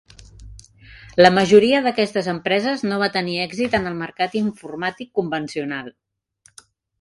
La majoria d"aquestes empreses no va tenir èxit en el mercat informàtic convencional.